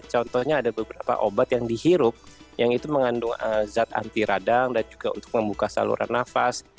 contohnya ada beberapa obat yang dihirup yang itu mengandung zat anti radang dan juga untuk membuka saluran nafas